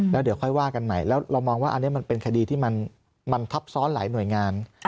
แล้วเดี๋ยวค่อยว่ากันใหม่แล้วเรามองว่าอันนี้มันเป็นคดีที่มันทับซ้อนหลายหน่วยงาน